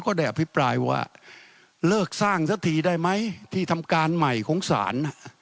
ได้อภิปรายว่าเลิกสร้างสักทีได้ไหมที่ทำการใหม่ของศาล